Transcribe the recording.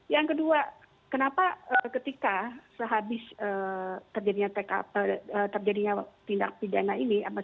yang kedua kenapa ketika sehabis terjadinya tindak pidana ini